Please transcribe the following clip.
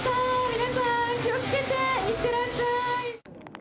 皆さん、気をつけて行ってらっしゃい。